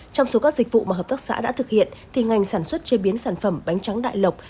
trong số các dịch vụ mà hợp tác xã đã thực hiện thì ngành sản xuất chế biến sản phẩm bánh trắng đại lộc